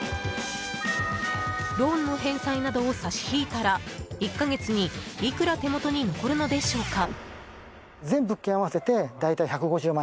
ローンの返済などを差し引いたら１か月にいくら手元に残るのでしょうか？